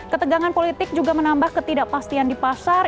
ketegangan politik juga menambah ketidakpastian di pasar